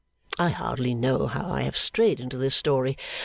I hardly know how I have strayed into this story.